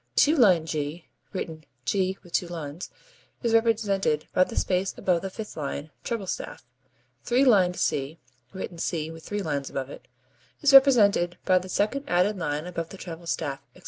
Two lined G, (written [2 lined g symbol]), is represented by the space above the fifth line, treble staff. Three lined C, (written [3 lined c symbol]), is represented by the second added line above the treble staff, etc.